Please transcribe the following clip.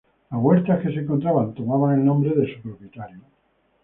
Las huertas que se encontraban tomaban el nombre de su propietario.